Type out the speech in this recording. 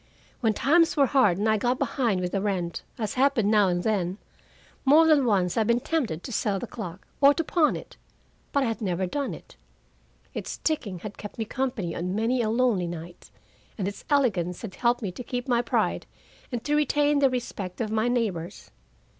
When times were hard and I got behind with the rent, as happened now and then, more than once I'd been tempted to sell the clock, or to pawn it. But I had never done it. Its ticking had kept me company on many a lonely night, and its elegance had helped me to keep my pride and to retain the respect of my neighbors.